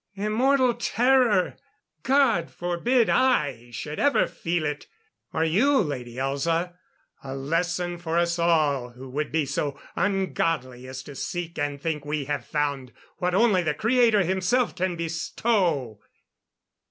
"Immortal terror! God forbid I should ever feel it! Or you, Lady Elza. A lesson for us all, who would be so un Godly as to seek and think we have found what only the Creator Himself can bestow!"